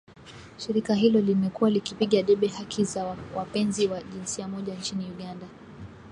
Shirika hilo limekuwa likipigia debe haki za wapenzi wa jinsia moja nchini Uganda